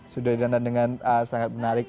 sudah didandan dengan sangat menarik